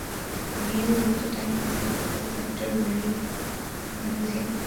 The male lectotype is held at the Canterbury Museum.